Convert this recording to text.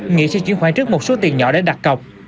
nghĩ sẽ chuyển khoản trước một số tiền nhỏ để đặt cọc